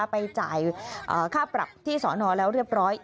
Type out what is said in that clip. ไปจ่ายค่าปรับที่สอนอแล้วเรียบร้อย